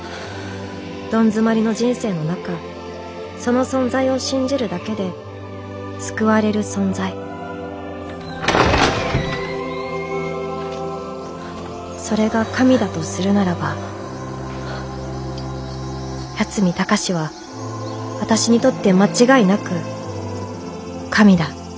どん詰まりの人生の中その存在を信じるだけで救われる存在それが神だとするならば八海崇は私にとって間違いなく神だ